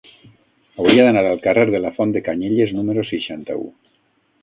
Hauria d'anar al carrer de la Font de Canyelles número seixanta-u.